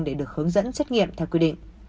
để được hướng dẫn xét nghiệm theo quy định